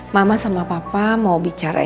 mama sama papa mau bicara